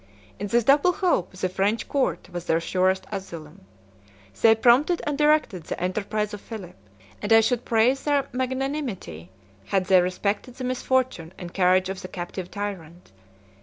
In this double hope, the French court was their surest asylum; they prompted and directed the enterprise of Philip; and I should praise their magnanimity, had they respected the misfortune and courage of the captive tyrant.